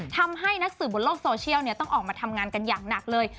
ทำให้นักสื่อบนโลกโซเชียลต้องออกมาทำงานกันอย่างหนักเลย